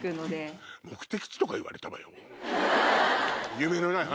夢のない話。